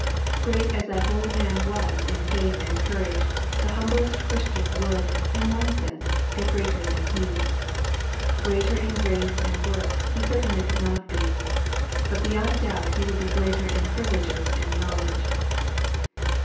Great as that holy man was in faith and courage, the humblest Christian would, in one sense, be greater than he. Greater in grace and works he certainly could not be. But beyond doubt he would be greater in privileges and knowledge.